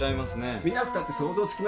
見なくたって想像つきますよ。